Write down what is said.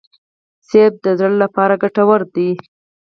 مڼه د زړه لپاره ګټوره ده.